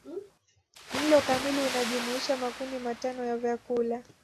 Mlo kamili unajumuisha makundi matano ya vyakula